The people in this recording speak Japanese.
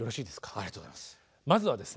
ありがとうございます。